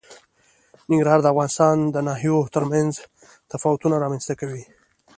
ننګرهار د افغانستان د ناحیو ترمنځ تفاوتونه رامنځ ته کوي.